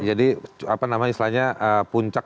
jadi apa namanya istilahnya puncak